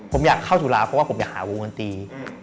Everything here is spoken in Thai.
ผมอยากเข้าจุฬาเพราะว่าผมอยากหาวงดนตรี